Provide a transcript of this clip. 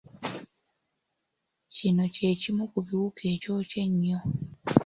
Kino kye kimu ku biwuka ekyokya ennyo.